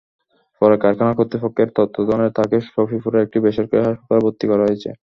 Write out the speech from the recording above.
পরে কারখানা কর্তৃপক্ষের তত্ত্বাবধানে তাঁকে সফিপুরের একটি বেসরকারি হাসপাতালে ভর্তি করা হয়েছে।